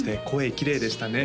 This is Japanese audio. きれいでしたね